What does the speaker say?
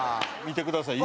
見てください。